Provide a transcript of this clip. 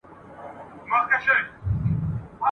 د وطن پر جګو غرو نو د اسیا د کور ښاغلی !.